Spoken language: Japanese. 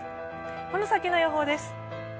この先の予報です。